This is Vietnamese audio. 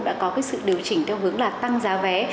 đã có sự điều chỉnh theo hướng là tăng giá vé